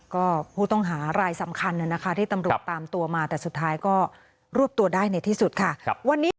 ก็ผู้ต้องหารายสำคัญที่ตำรวจตามตัวมาแต่สุดท้ายก็รวบตัวได้ในที่สุดค่ะวันนี้